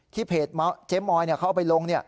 ที่เพจเจมส์มอยเขาเอาไปลง